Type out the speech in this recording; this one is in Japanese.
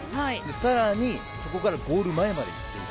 さらにそこからゴール前までいく。